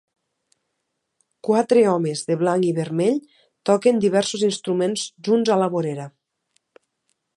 Quatre homes de blanc i vermell toquen diversos instruments junts a la vorera.